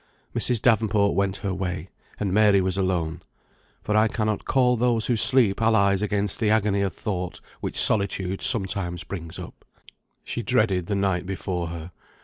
Mrs. Davenport went her way, and Mary was alone, for I cannot call those who sleep allies against the agony of thought which solitude sometimes brings up. She dreaded the night before her.